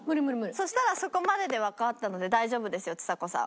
そしたらそこまででわかったので大丈夫ですよちさ子さん